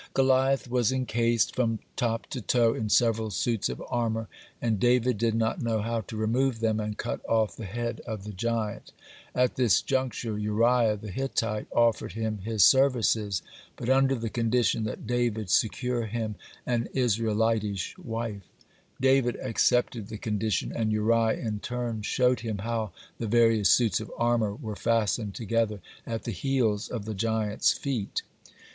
(43) Goliath was encased, from top to toe, in several suits of armor, and David did not know how to remove them and cut off the head of the giant. At this juncture Uriah the Hittite offered him his services, but under the condition that David secure him an Israelitish wife. David accepted the condition, and Uriah in turn showed him how the various suits of armor were fastened together at the heels of the giant's feet.